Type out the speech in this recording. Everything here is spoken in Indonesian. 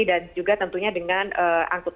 dan juga tentunya dengan perusahaan bus